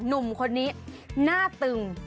หนุ่มคนนี้หน้าตึง